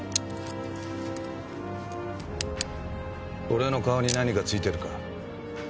俺の顔に何か付いてるか？